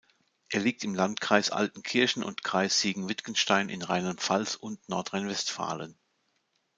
Er liegt im Landkreis Altenkirchen und Kreis Siegen-Wittgenstein in Rheinland-Pfalz und Nordrhein-Westfalen.